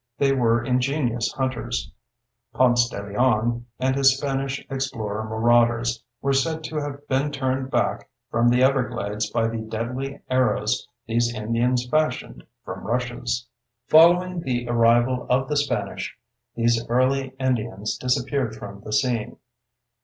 They were ingenious hunters. (Ponce de León and his Spanish explorer marauders were said to have been turned back from the everglades by the deadly arrows these Indians fashioned from rushes.) Following the arrival of the Spanish, these early Indians disappeared from the scene.